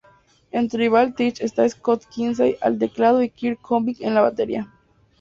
En Tribal Tech está Scott Kinsey al teclado y Kirk Covington en la batería.